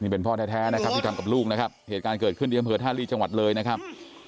เป็นพ่อแท้นะครับที่ทำกับลูกนะครับเหตุการณ์เกิดขึ้นที่อำเภอท่าลีจังหวัดเลยนะครับ